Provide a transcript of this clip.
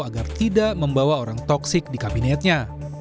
agar tidak membawa orang toksik di kabinetnya